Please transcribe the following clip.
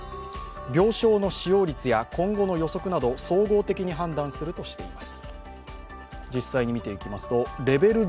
病床の使用率や今後の予測など総合的に判断するとしています。